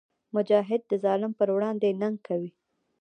مجاهد د ظالم پر وړاندې ننګ کوي.